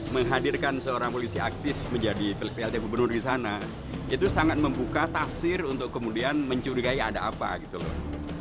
menghadirkan seorang polisi aktif menjadi plt gubernur di sana itu sangat membuka tafsir untuk kemudian mencurigai ada apa gitu loh